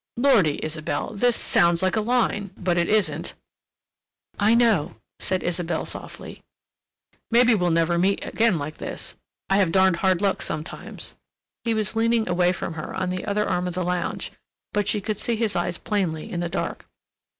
Lordy, Isabelle—this sounds like a line, but it isn't." "I know," said Isabelle softly. "Maybe we'll never meet again like this—I have darned hard luck sometimes." He was leaning away from her on the other arm of the lounge, but she could see his eyes plainly in the dark.